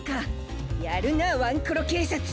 やるなワンコロけいさつ！